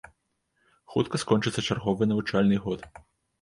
Хутка скончыцца чарговы навучальны год.